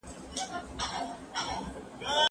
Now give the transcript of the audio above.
کېدای سي زده کړه ستونزي ولري!!